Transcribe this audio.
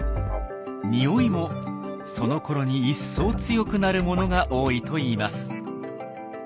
匂いもそのころに一層強くなるものが多いといいます。